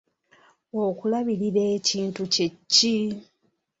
Okulabirira ekintu kye ki?